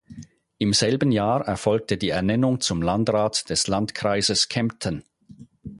Im selben Jahr erfolgte die Ernennung zum Landrat des Landkreises Kempten.